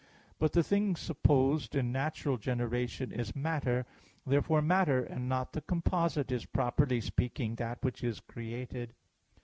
But the thing supposed in natural generation is matter. Therefore matter, and not the composite, is, properly speaking, that which is created.